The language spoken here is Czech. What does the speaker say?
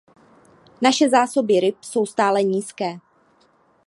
Naše zásoby ryb jsou stále nízké.